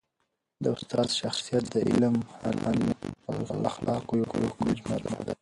د استاد شخصیت د علم، حلم او اخلاقو یوه ښکلي مجموعه ده.